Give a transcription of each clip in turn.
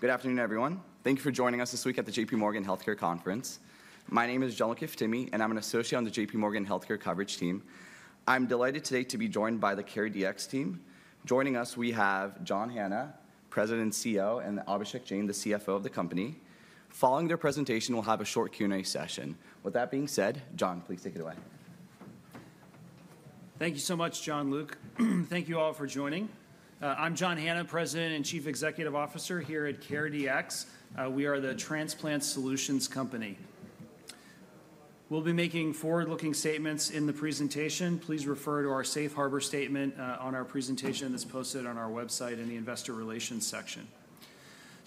Good afternoon, everyone. Thank you for joining us this week at the J.P. Morgan Healthcare Conference. My name is John McKeown, and I'm an associate on the J.P. Morgan Healthcare Coverage team. I'm delighted today to be joined by the CareDx team. Joining us, we have John Hanna, President and CEO, and Abhishek Jain, the CFO of the company. Following their presentation, we'll have a short Q&A session. With that being said, John, please take it away. Thank you so much, John, Look. Thank you all for joining. I'm John Hanna, President and Chief Executive Officer here at CareDx. We are the Transplant Solutions Company. We'll be making forward-looking statements in the presentation. Please refer to our Safe Harbor Statement on our presentation that's posted on our website in the Investor Relations section.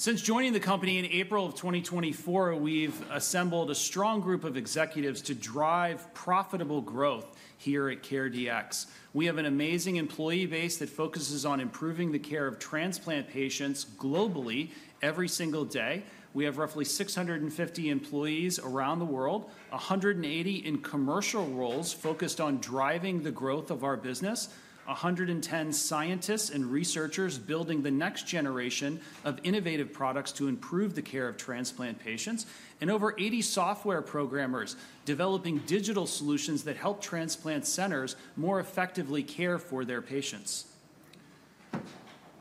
Since joining the company in April of 2024, we've assembled a strong group of executives to drive profitable growth here at CareDx. We have an amazing employee base that focuses on improving the care of transplant patients globally every single day. We have roughly 650 employees around the world, 180 in commercial roles focused on driving the growth of our business, 110 scientists and researchers building the next generation of innovative products to improve the care of transplant patients, and over 80 software programmers developing digital solutions that help transplant centers more effectively care for their patients.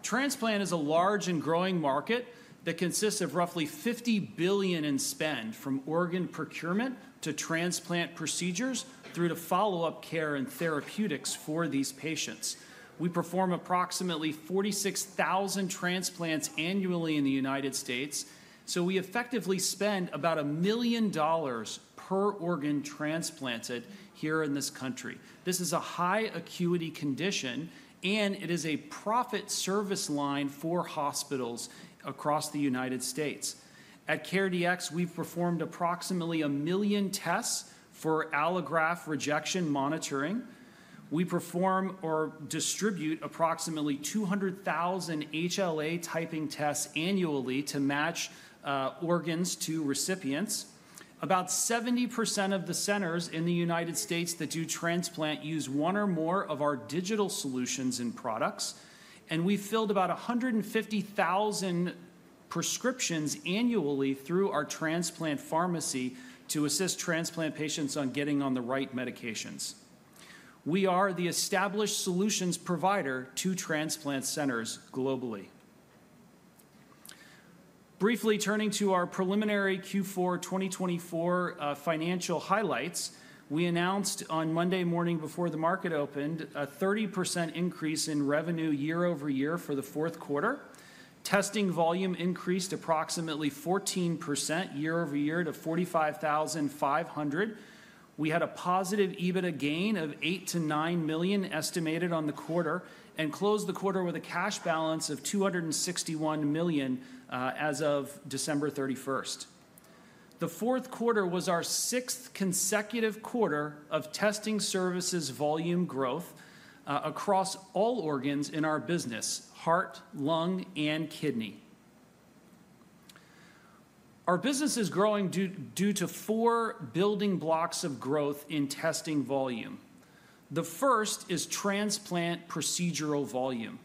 Transplant is a large and growing market that consists of roughly $50 billion in spend, from organ procurement to transplant procedures through to follow-up care and therapeutics for these patients. We perform approximately 46,000 transplants annually in the United States, so we effectively spend about $1 million per organ transplanted here in this country. This is a high acuity condition, and it is a profit service line for hospitals across the United States. At CareDx, we've performed approximately a million tests for allograft rejection monitoring. We perform or distribute approximately 200,000 HLA typing tests annually to match organs to recipients. About 70% of the centers in the United States that do transplant use one or more of our digital solutions and products, and we've filled about 150,000 prescriptions annually through our transplant pharmacy to assist transplant patients on getting on the right medications. We are the established solutions provider to transplant centers globally. Briefly turning to our preliminary Q4 2024 financial highlights, we announced on Monday morning before the market opened a 30% increase in revenue year over year for the fourth quarter. Testing volume increased approximately 14% year over year to 45,500. We had a positive EBITDA gain of $8-$9 million estimated on the quarter and closed the quarter with a cash balance of $261 million as of December 31st. The fourth quarter was our sixth consecutive quarter of testing services volume growth across all organs in our business: heart, lung, and kidney. Our business is growing due to four building blocks of growth in testing volume. The first is transplant procedural volume.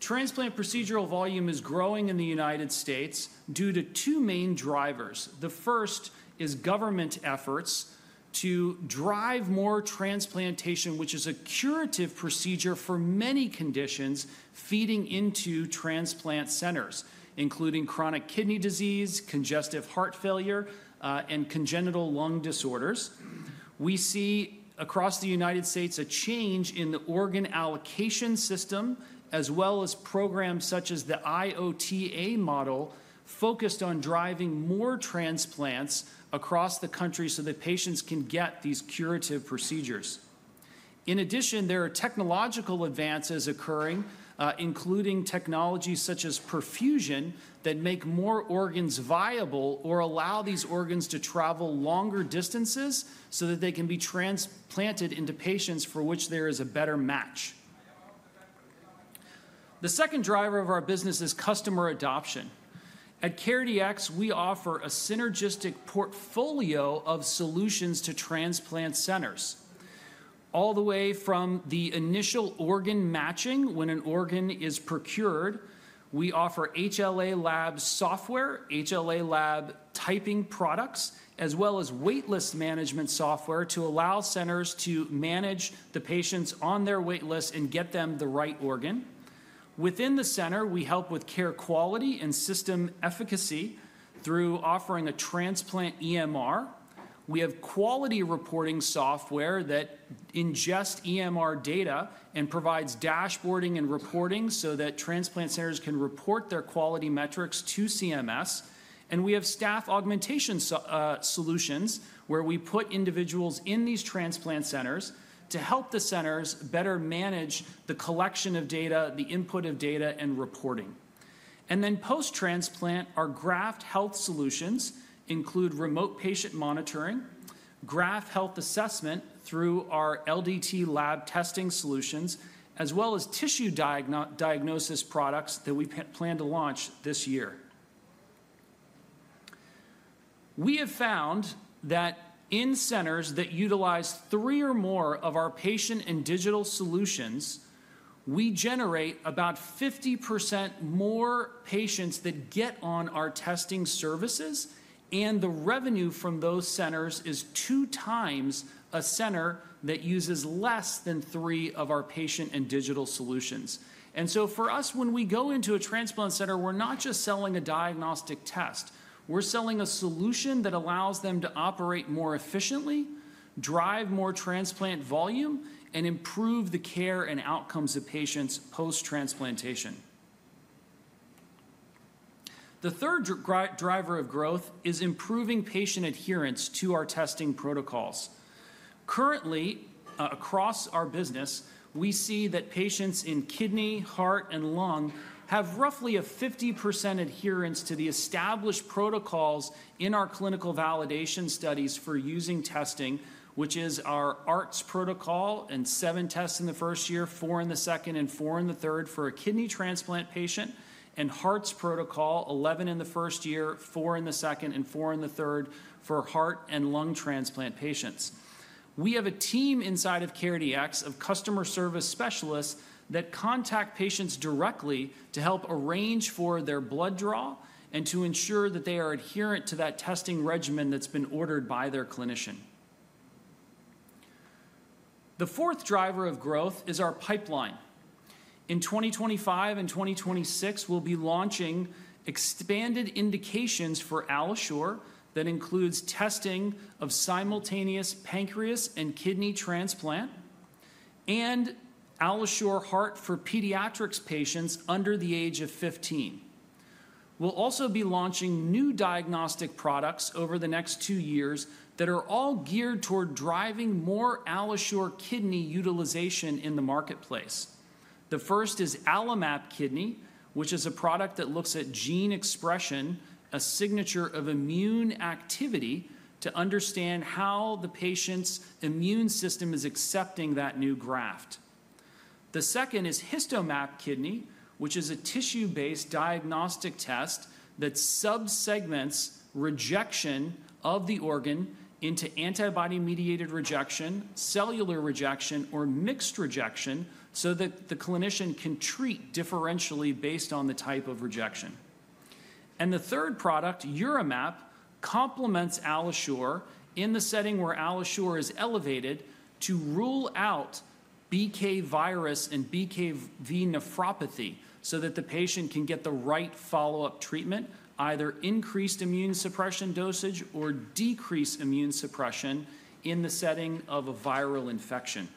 Transplant procedural volume is growing in the United States due to two main drivers. The first is government efforts to drive more transplantation, which is a curative procedure for many conditions feeding into transplant centers, including chronic kidney disease, congestive heart failure, and congenital lung disorders. We see across the United States a change in the organ allocation system, as well as programs such as the IOTA Model focused on driving more transplants across the country so that patients can get these curative procedures. In addition, there are technological advances occurring, including technologies such as perfusion that make more organs viable or allow these organs to travel longer distances so that they can be transplanted into patients for which there is a better match. The second driver of our business is customer adoption. At CareDx, we offer a synergistic portfolio of solutions to transplant centers. All the way from the initial organ matching when an organ is procured, we offer HLA Labs software, HLA Lab typing products, as well as waitlist management software to allow centers to manage the patients on their waitlist and get them the right organ. Within the center, we help with care quality and system efficacy through offering a transplant EMR. We have quality reporting software that ingests EMR data and provides dashboarding and reporting so that transplant centers can report their quality metrics to CMS. And we have staff augmentation solutions where we put individuals in these transplant centers to help the centers better manage the collection of data, the input of data, and reporting. And then post-transplant, our graft health solutions include remote patient monitoring, graft health assessment through our LDT lab testing solutions, as well as tissue diagnosis products that we plan to launch this year. We have found that in centers that utilize three or more of our patient and digital solutions, we generate about 50% more patients that get on our testing services, and the revenue from those centers is two times a center that uses less than three of our patient and digital solutions. And so for us, when we go into a transplant center, we're not just selling a diagnostic test. We're selling a solution that allows them to operate more efficiently, drive more transplant volume, and improve the care and outcomes of patients post-transplantation. The third driver of growth is improving patient adherence to our testing protocols. Currently, across our business, we see that patients in kidney, heart, and lung have roughly a 50% adherence to the established protocols in our clinical validation studies for using testing, which is our HEARTS protocol and seven tests in the first year, four in the second, and four in the third for a kidney transplant patient, and HEARTS protocol, 11 in the first year, four in the second, and four in the third for heart and lung transplant patients. We have a team inside of CareDx of customer service specialists that contact patients directly to help arrange for their blood draw and to ensure that they are adherent to that testing regimen that's been ordered by their clinician. The fourth driver of growth is our pipeline. In 2025 and 2026, we'll be launching expanded indications for AlloSure that includes testing of simultaneous pancreas and kidney transplant and AlloSure Heart for pediatric patients under the age of 15. We'll also be launching new diagnostic products over the next two years that are all geared toward driving more AlloSure Kidney utilization in the marketplace. The first is AlloMap Kidney, which is a product that looks at gene expression, a signature of immune activity, to understand how the patient's immune system is accepting that new graft. The second is HistoMap Kidney, which is a tissue-based diagnostic test that subsegments rejection of the organ into antibody-mediated rejection, cellular rejection, or mixed rejection so that the clinician can treat differentially based on the type of rejection, and the third product, UroMap, complements AlloSure in the setting where AlloSure is elevated to rule out BK virus and BKV nephropathy so that the patient can get the right follow-up treatment, either increased immune suppression dosage or decreased immune suppression in the setting of a viral infection.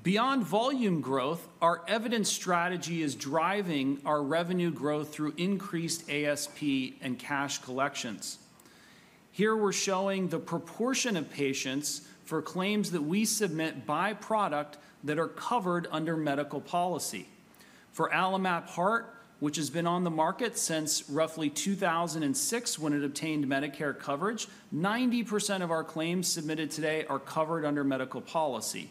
Beyond volume growth, our evidence strategy is driving our revenue growth through increased ASP and cash collections. Here we're showing the proportion of patients for claims that we submit by product that are covered under medical policy. For AlloMap Heart, which has been on the market since roughly 2006 when it obtained Medicare coverage, 90% of our claims submitted today are covered under medical policy.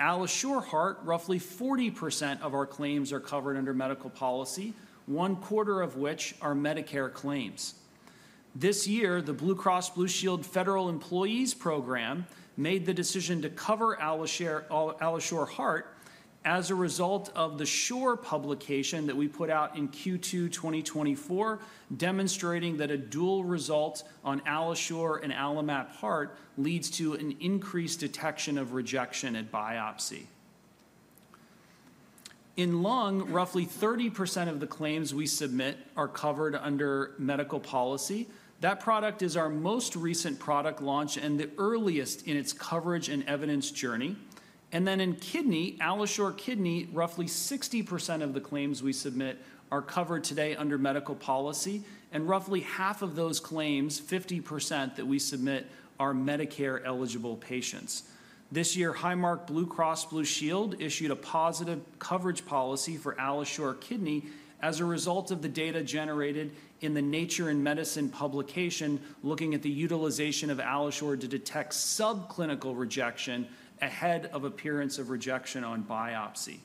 AlloSure Heart, roughly 40% of our claims are covered under medical policy, one quarter of which are Medicare claims. This year, the Blue Cross Blue Shield Federal Employee Program made the decision to cover AlloSure Heart as a result of the SHORE publication that we put out in Q2 2024, demonstrating that a dual result on AlloSure and AlloMap Heart leads to an increased detection of rejection at biopsy. In lung, roughly 30% of the claims we submit are covered under medical policy. That product is our most recent product launch and the earliest in its coverage and evidence journey. And then in kidney, AlloSure Kidney, roughly 60% of the claims we submit are covered today under medical policy, and roughly half of those claims, 50% that we submit, are Medicare-eligible patients. This year, Highmark Blue Cross Blue Shield issued a positive coverage policy for AlloSure Kidney as a result of the data generated in the Nature Medicine publication looking at the utilization of AlloSure to detect subclinical rejection ahead of appearance of rejection on biopsy.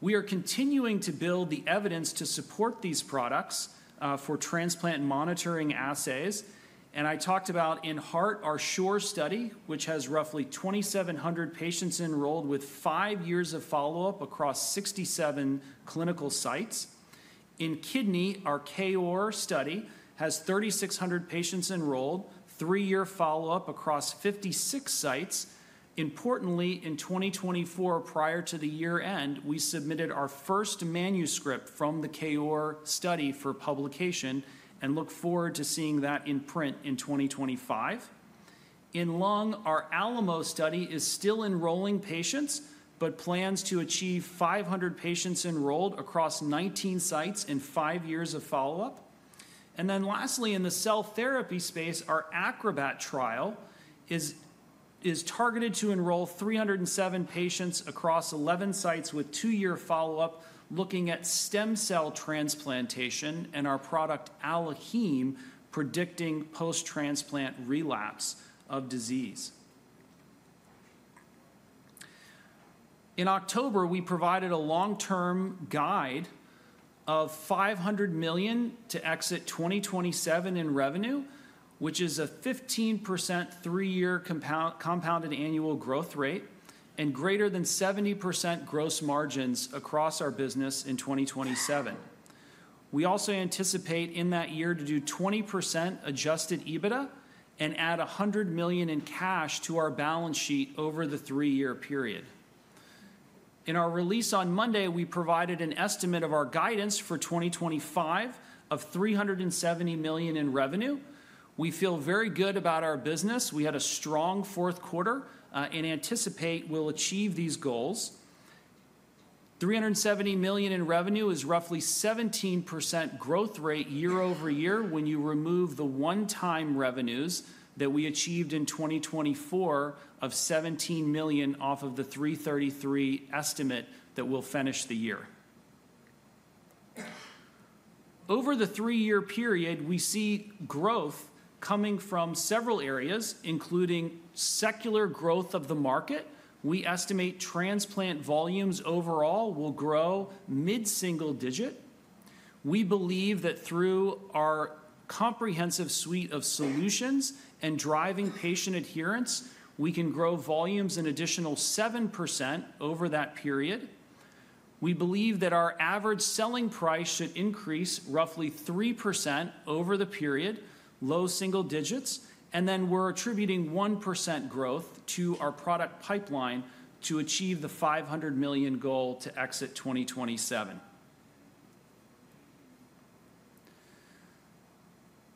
We are continuing to build the evidence to support these products for transplant monitoring assays. And I talked about in heart, our SHORE study, which has roughly 2,700 patients enrolled with five years of follow-up across 67 clinical sites. In kidney, our KOAR study has 3,600 patients enrolled, three-year follow-up across 56 sites. Importantly, in 2024, prior to the year end, we submitted our first manuscript from the KOAR study for publication and look forward to seeing that in print in 2025. In lung, our ALAMO study is still enrolling patients but plans to achieve 500 patients enrolled across 19 sites in five years of follow-up, and then lastly, in the cell therapy space, our ACROBAT trial is targeted to enroll 307 patients across 11 sites with two-year follow-up looking at stem cell transplantation and our product AlloHeme predicting post-transplant relapse of disease. In October, we provided a long-term guide of $500 million to exit 2027 in revenue, which is a 15% three-year compounded annual growth rate and greater than 70% gross margins across our business in 2027. We also anticipate in that year to do 20% Adjusted EBITDA and add $100 million in cash to our balance sheet over the three-year period. In our release on Monday, we provided an estimate of our guidance for 2025 of $370 million in revenue. We feel very good about our business. We had a strong fourth quarter and anticipate we'll achieve these goals. $370 million in revenue is roughly 17% growth rate year over year when you remove the one-time revenues that we achieved in 2024 of $17 million off of the $333 estimate that will finish the year. Over the three-year period, we see growth coming from several areas, including secular growth of the market. We estimate transplant volumes overall will grow mid-single digit. We believe that through our comprehensive suite of solutions and driving patient adherence, we can grow volumes an additional 7% over that period. We believe that our average selling price should increase roughly 3% over the period, low single digits. Then we're attributing 1% growth to our product pipeline to achieve the $500 million goal to exit 2027.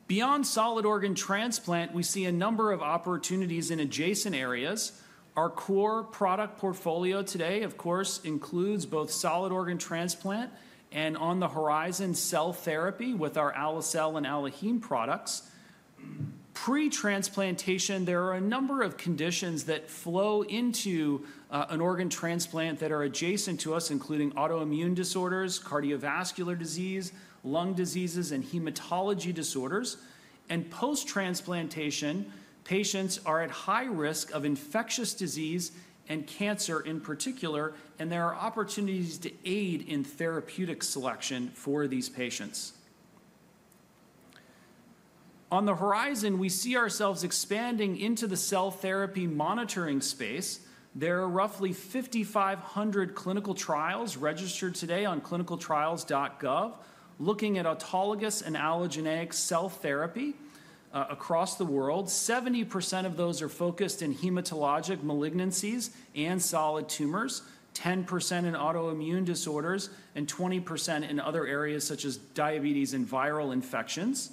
Beyond solid organ transplant, we see a number of opportunities in adjacent areas. Our core product portfolio today, of course, includes both solid organ transplant and on the horizon cell therapy with our AlloCell and AlloHeme products. Pre-transplantation, there are a number of conditions that flow into an organ transplant that are adjacent to us, including autoimmune disorders, cardiovascular disease, lung diseases, and hematology disorders. Post-transplantation, patients are at high risk of infectious disease and cancer in particular, and there are opportunities to aid in therapeutic selection for these patients. On the horizon, we see ourselves expanding into the cell therapy monitoring space. There are roughly 5,500 clinical trials registered today on clinicaltrials.gov looking at autologous and allogeneic cell therapy across the world. 70% of those are focused in hematologic malignancies and solid tumors, 10% in autoimmune disorders, and 20% in other areas such as diabetes and viral infections.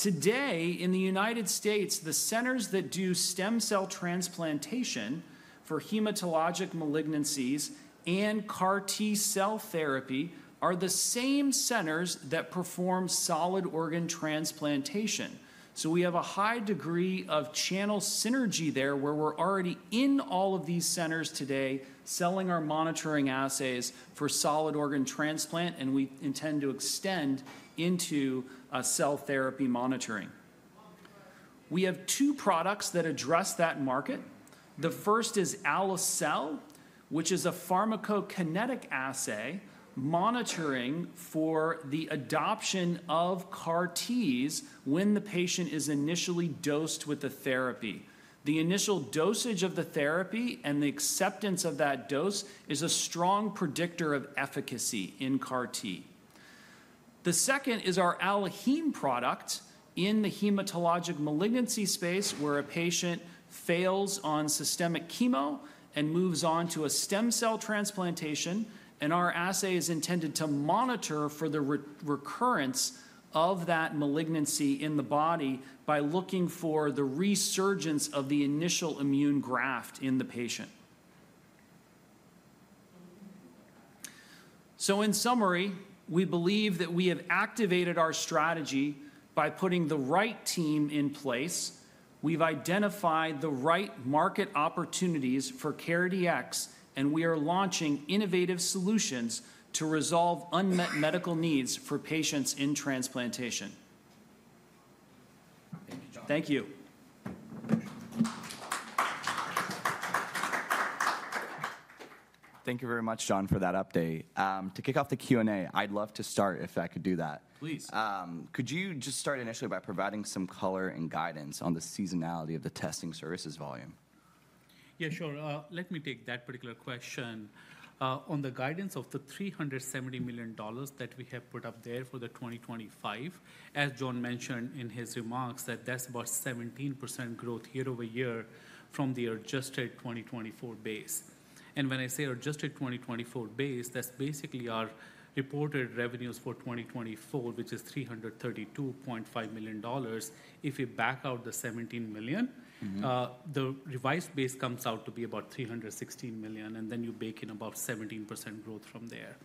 Today, in the United States, the centers that do stem cell transplantation for hematologic malignancies and CAR T cell therapy are the same centers that perform solid organ transplantation. So we have a high degree of channel synergy there where we're already in all of these centers today selling our monitoring assays for solid organ transplant, and we intend to extend into cell therapy monitoring. We have two products that address that market. The first is AlloCell, which is a pharmacokinetic assay monitoring for the adoption of CAR Ts when the patient is initially dosed with the therapy. The initial dosage of the therapy and the acceptance of that dose is a strong predictor of efficacy in CAR T. The second is our AlloHeme product in the hematologic malignancy space where a patient fails on systemic chemo and moves on to a stem cell transplantation, and our assay is intended to monitor for the recurrence of that malignancy in the body by looking for the resurgence of the initial immune graft in the patient, so in summary, we believe that we have activated our strategy by putting the right team in place. We've identified the right market opportunities for CareDx, and we are launching innovative solutions to resolve unmet medical needs for patients in transplantation. Thank you. Thank you. Thank you very much, John, for that update. To kick off the Q&A, I'd love to start if I could do that. Please. Could you just start initially by providing some color and guidance on the seasonality of the testing services volume? Yeah, sure. Let me take that particular question. On the guidance of the $370 million that we have put up there for the 2025, as John mentioned in his remarks, that that's about 17% growth year over year from the adjusted 2024 base. And when I say adjusted 2024 base, that's basically our reported revenues for 2024, which is $332.5 million. If we back out the $17 million, the revised base comes out to be about $316 million, and then you bake in about 17% growth from there.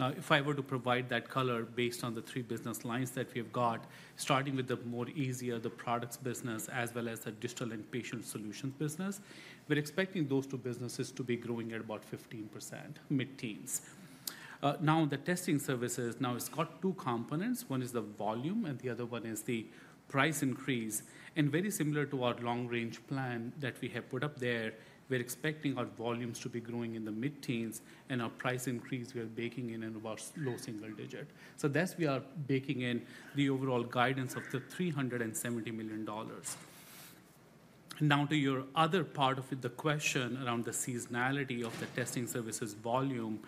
Now, if I were to provide that color based on the three business lines that we have got, starting with the more easier, the products business, as well as the digital and patient solutions business, we're expecting those two businesses to be growing at about 15%, mid-teens. Now, the testing services now has got two components. One is the volume, and the other one is the price increase. Very similar to our long-range plan that we have put up there, we're expecting our volumes to be growing in the mid-teens, and our price increase we are baking in at about low single digit. So that's where we are baking in the overall guidance of the $370 million. Now, to your other part of the question around the seasonality of the testing services volume,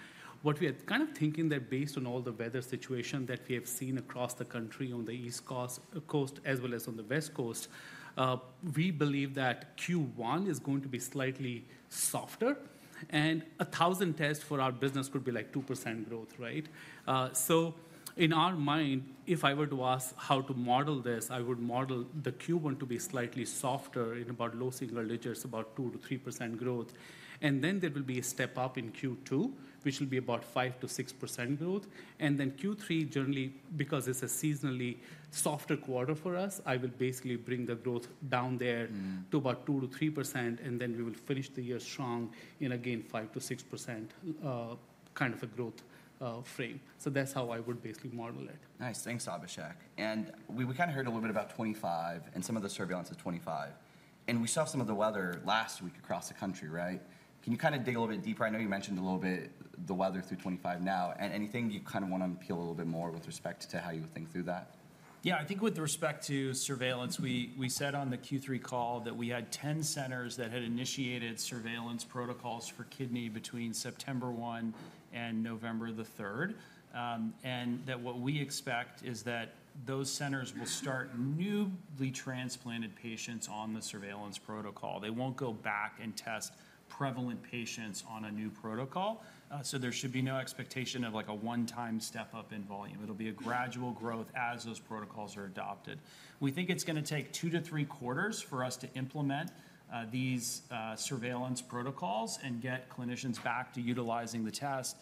what we are kind of thinking that based on all the weather situation that we have seen across the country on the East Coast as well as on the West Coast, we believe that Q1 is going to be slightly softer, and 1,000 tests for our business could be like 2% growth, right? So in our mind, if I were to ask how to model this, I would model the Q1 to be slightly softer in about low single digits, about 2%-3% growth. And then there will be a step up in Q2, which will be about 5%-6% growth. And then Q3, generally, because it is a seasonally softer quarter for us, I will basically bring the growth down there to about 2%-3%, and then we will finish the year strong in, again, 5%-6% kind of a growth frame. So that is how I would basically model it. Nice. Thanks, Abhishek. And we kind of heard a little bit about 2025 and some of the surveillance of 2025. And we saw some of the weather last week across the country, right? Can you kind of dig a little bit deeper? I know you mentioned a little bit the weather through '25 now. And anything you kind of want to unpeel a little bit more with respect to how you would think through that? Yeah, I think with respect to surveillance, we said on the Q3 call that we had 10 centers that had initiated surveillance protocols for kidney between September 1 and November the 3rd. And that what we expect is that those centers will start newly transplanted patients on the surveillance protocol. They won't go back and test prevalent patients on a new protocol. So there should be no expectation of like a one-time step up in volume. It'll be a gradual growth as those protocols are adopted. We think it's going to take two to three quarters for us to implement these surveillance protocols and get clinicians back to utilizing the test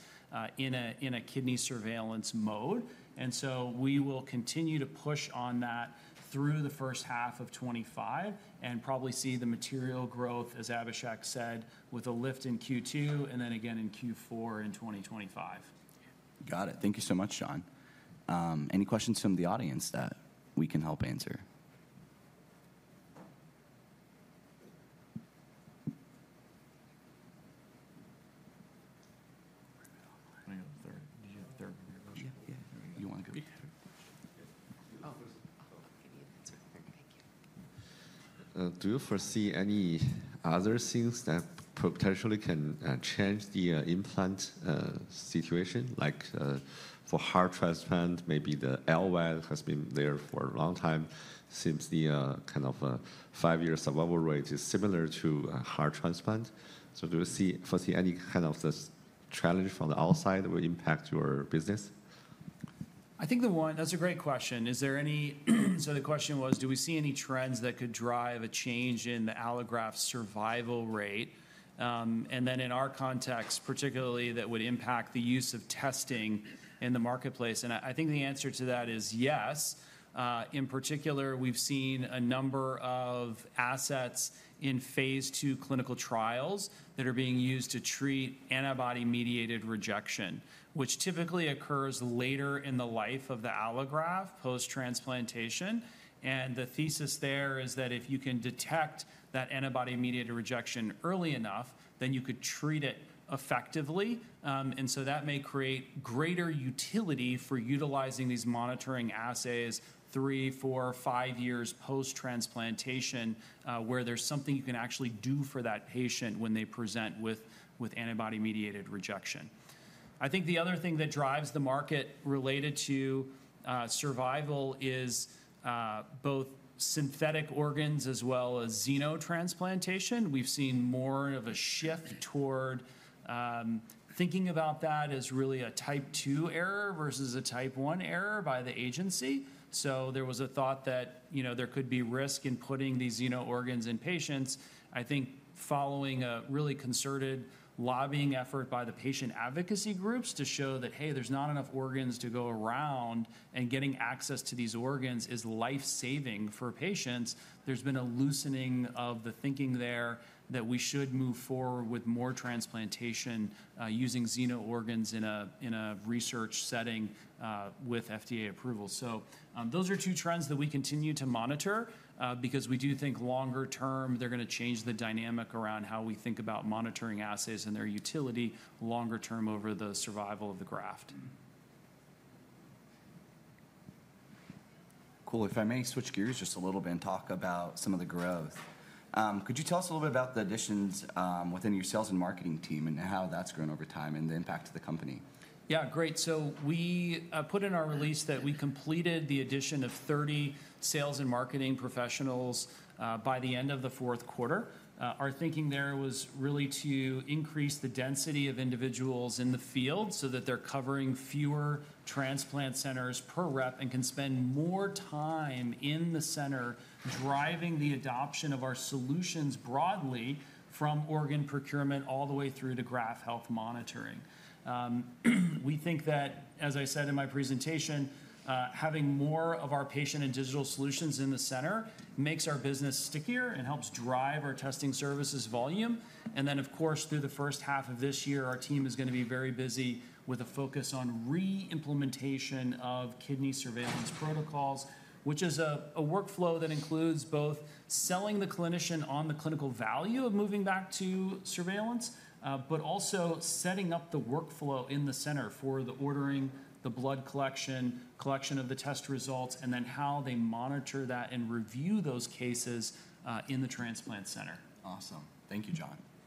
in a kidney surveillance mode. And so we will continue to push on that through the first half of 2025 and probably see the material growth, as Abhishek said, with a lift in Q2 and then again in Q4 in 2025. Got it. Thank you so much, John. Any questions from the audience that we can help answer? Did you have a third? Yeah. You want to go? Thank you. Do you foresee any other things that potentially can change the implant situation, like for heart transplant? Maybe the LVAD has been there for a long time since the kind of five-year survival rate is similar to heart transplant. So do you foresee any kind of challenge from the outside that will impact your business? I think the one, that's a great question. So the question was, do we see any trends that could drive a change in the allograft survival rate? And then in our context, particularly, that would impact the use of testing in the marketplace. And I think the answer to that is yes. In particular, we've seen a number of assets in phase two clinical trials that are being used to treat antibody-mediated rejection, which typically occurs later in the life of the allograft post-transplantation. And the thesis there is that if you can detect that antibody-mediated rejection early enough, then you could treat it effectively. And so that may create greater utility for utilizing these monitoring assays three, four, five years post-transplantation where there's something you can actually do for that patient when they present with antibody-mediated rejection. I think the other thing that drives the market related to survival is both synthetic organs as well as xenotransplantation. We've seen more of a shift toward thinking about that as really a type two error versus a type one error by the agency. So there was a thought that there could be risk in putting these xeno organs in patients. I think following a really concerted lobbying effort by the patient advocacy groups to show that, hey, there's not enough organs to go around and getting access to these organs is life-saving for patients, there's been a loosening of the thinking there that we should move forward with more transplantation using xeno organs in a research setting with FDA approval. So those are two trends that we continue to monitor because we do think longer term they're going to change the dynamic around how we think about monitoring assays and their utility longer term over the survival of the graft. Cool. If I may switch gears just a little bit and talk about some of the growth, could you tell us a little bit about the additions within your sales and marketing team and how that's grown over time and the impact of the company? Yeah, great. So we put in our release that we completed the addition of 30 sales and marketing professionals by the end of the fourth quarter. Our thinking there was really to increase the density of individuals in the field so that they're covering fewer transplant centers per rep and can spend more time in the center driving the adoption of our solutions broadly from organ procurement all the way through to graft health monitoring. We think that, as I said in my presentation, having more of our patient and digital solutions in the center makes our business stickier and helps drive our testing services volume. And then, of course, through the first half of this year, our team is going to be very busy with a focus on reimplementation of kidney surveillance protocols, which is a workflow that includes both selling the clinician on the clinical value of moving back to surveillance, but also setting up the workflow in the center for the ordering, the blood collection, collection of the test results, and then how they monitor that and review those cases in the transplant center. Awesome. Thank you, John.